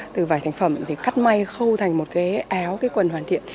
từ vải thành phẩm thì cắt may khâu thành một cái áo cái quần hoàn thiện